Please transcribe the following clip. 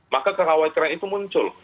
maka kekhawatiran itu muncul